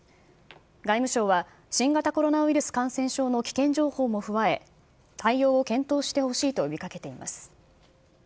外務省は新型コロナウイルス感染症の危険情報も踏まえ、対応を検討してほしいと呼びかけています。